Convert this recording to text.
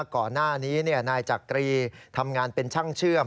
ก่อนหน้านี้นายจักรีทำงานเป็นช่างเชื่อม